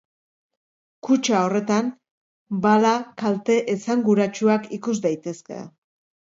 Kutxa horretan, bala kalte esanguratsuak ikus daitezke.